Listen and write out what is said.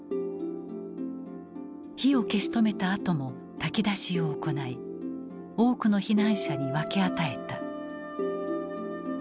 火を消し止めたあとも炊き出しを行い多くの避難者に分け与えた。